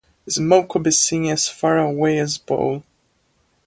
Smoke could be seen from as far away as Poole.